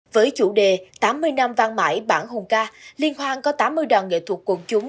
với chủ đề tám mươi năm văn mãi bản hùng ca liên hoan có tám mươi đoàn nghệ thuật quần chúng